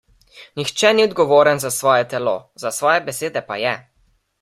Nihče ni odgovoren za svoje telo, za svoje besede pa je.